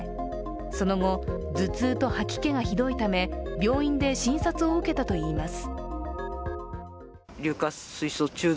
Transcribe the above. その後、頭痛と吐き気がひどいため病院で診察を受けたといいます。